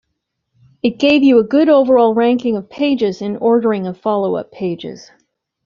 It gave you a good overall ranking of pages and ordering of follow-up pages.